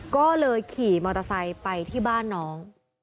ก็เลยขี่มอเตอร์ไซค์ไปที่บ้านน้อง